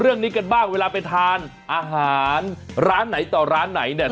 เรื่องนี้กันบ้างเวลาไปทานอาหารร้านไหนต่อร้านไหนเนี่ย